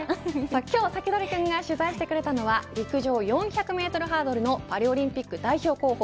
今日サキドリくんが取材してくれたのは陸上４００メートルハードルのパリオリンピック代表候補。